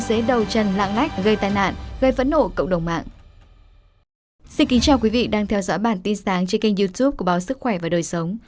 xin kính chào quý vị đang theo dõi bản tin sáng trên kênh youtube của báo sức khỏe và đời sống